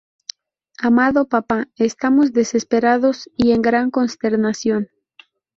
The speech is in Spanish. Amado Papá, estamos desesperados y en gran consternación.